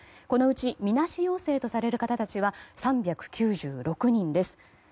このうちみなし陽性とされる方たちは３９６人です。